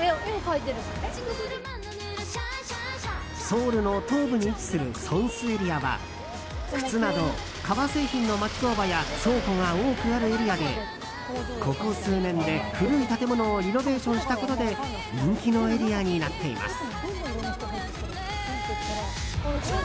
ソウルの東部に位置するソンスエリアは靴など革製品の町工場や倉庫が多くあるエリアでここ数年で古い建物をリノベーションしたことで人気のエリアになっています。